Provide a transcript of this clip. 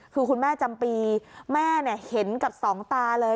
คือคุณแม่จำปีแม่เห็นกับสองตาเลย